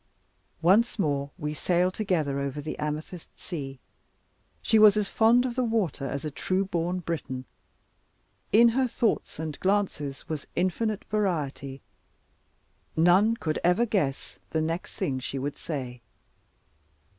Once more we sailed together over the amethyst sea; she was as fond of the water as a true born Briton. In her thoughts and glances was infinite variety. None could ever guess the next thing she would say.